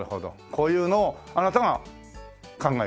こういうのをあなたが考える？